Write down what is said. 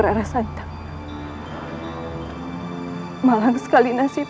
perubahan tahu siapa siap "